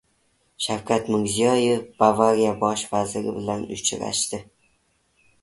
Shavkat Mirziyoyev Bavariya bosh vaziri bilan uchrashdi